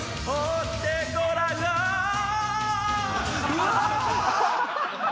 うわ